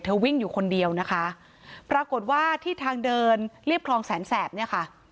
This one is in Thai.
วิ่งอยู่คนเดียวนะคะปรากฏว่าที่ทางเดินเรียบคลองแสนแสบเนี่ยค่ะ